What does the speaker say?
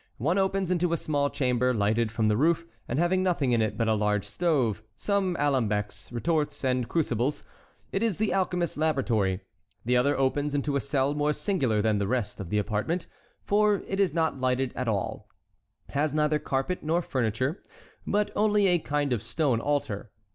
One opens into a small chamber lighted from the roof, and having nothing in it but a large stove, some alembecs, retorts, and crucibles: it is the alchemist's laboratory; the other opens into a cell more singular than the rest of the apartment, for it is not lighted at all—has neither carpet nor furniture, but only a kind of stone altar.